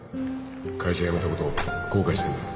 会社辞めたこと後悔してんだろ